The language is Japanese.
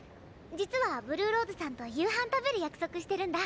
実はブルーローズさんと夕飯食べる約束してるんだ。